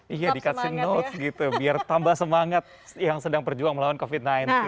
iya dikasih note gitu biar tambah semangat yang sedang berjuang melawan covid sembilan belas